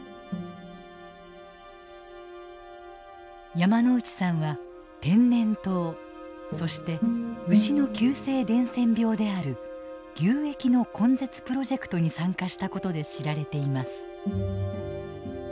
山内さんは天然痘そして牛の急性伝染病である牛疫の根絶プロジェクトに参加したことで知られています。